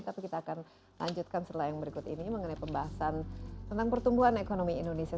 tapi kita akan lanjutkan setelah yang berikut ini mengenai pembahasan tentang pertumbuhan ekonomi indonesia